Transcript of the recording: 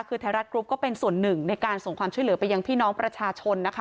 คือไทยรัฐกรุ๊ปก็เป็นส่วนหนึ่งในการส่งความช่วยเหลือไปยังพี่น้องประชาชนนะคะ